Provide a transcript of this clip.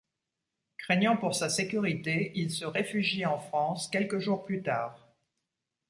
Craignant pour sa sécurité, il se réfugie en France quelques jours plus tard.